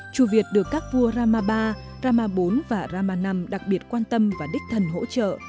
chùa việt được các vua rama iii rama iv và rama v đặc biệt quan tâm và đích thần hỗ trợ